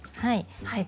はい。